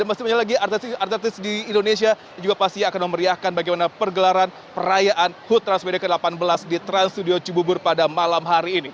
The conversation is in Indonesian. dan masih banyak lagi artis artis di indonesia juga pastinya akan memeriahkan bagaimana pergelaran perayaan hut transmedia ke delapan belas di trans studio cibubur pada malam hari ini